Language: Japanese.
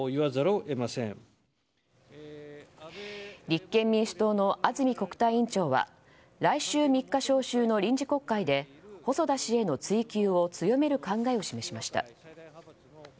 立憲民主党の安住国対委員長は来週３日召集の臨時国会で細田氏への追及を強める考えを示しました。